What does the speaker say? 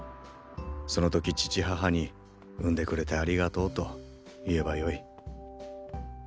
その時父母に生んでくれてありがとうと言えばよい。